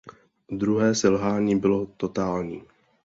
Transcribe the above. Druhé selhání bylo totální.